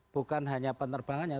bukan hanya penerbangannya